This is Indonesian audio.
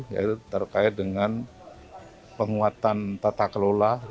yaitu terkait dengan penguatan tata kelola